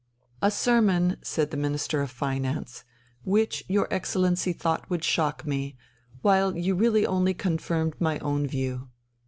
"A sermon," said the Minister of Finance, "which your Excellency thought would shock me, while you really only confirmed my own view.